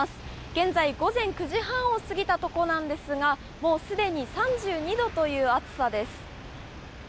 現在、午前９時半を過ぎたところなんですがもう、すでに３２度という暑さです。